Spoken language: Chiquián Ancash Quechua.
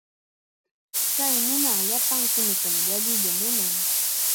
Chay nunaqa llapankunatam llalliya munan.